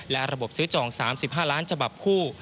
และระบบซื้อจอง๓๕ล้านฉบับคู่